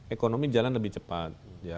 ekonomi jalan lebih cepat